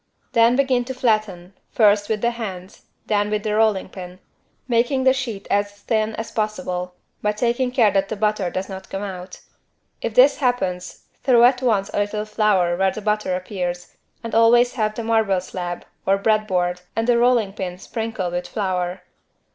Then begin to flatten, first with the hands, then with the rolling pin, making the sheet as thin as possible, but taking care that the butter does not come out. If this happens throw at once a little flour where the butter appears and always have the marble slab (or bread board) and the rolling pin sprinkled with flour.